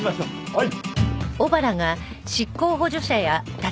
はい！